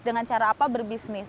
dengan cara apa berbisnis